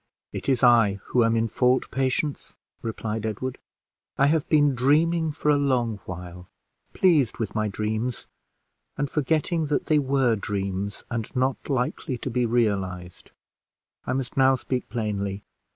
"It is I who am in fault, Patience," replied Edward. "I have been dreaming for a long while, pleased with my dreams, and forgetting that they were dreams, and not likely to be realized. I must now speak plainly.